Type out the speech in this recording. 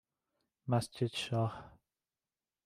مسجد شاه